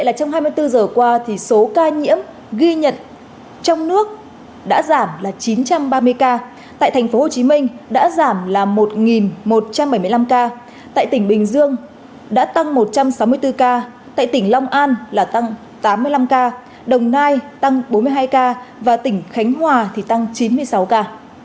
tổ chức kiểm soát chặt chẽ các khu vực các tỉnh thành phố hồ chí minh đã giảm là một một trăm bảy mươi năm ca tại tỉnh bình dương đã tăng một trăm sáu mươi bốn ca tại tỉnh long an là tăng tám mươi năm ca đồng nai tăng bốn mươi hai ca và tỉnh khánh hòa thì tăng chín mươi sáu ca